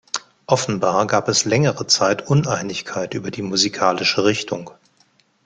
Offenbar gab es längere Zeit Uneinigkeit über die musikalische Richtung.